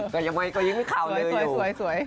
ก็ยังมีข่าวเดินอยู่